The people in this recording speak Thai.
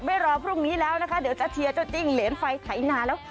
ไม่รอพรุ่งนี้ล่ะเดี๋ยวซาเทียเจ้าจิ้งเหลนไฟไถ่ร้าแล้ว